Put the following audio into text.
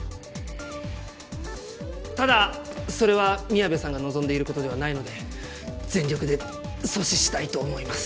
ただそれは宮部さんが望んでいることではないので全力で阻止したいと思います。